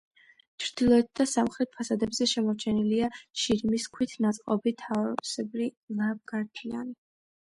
ჩრდილოეთ და სამხრეთ ფასადებზე შემორჩენილია შირიმის ქვით ნაწყობი თაროსებრი ლავგარდანი.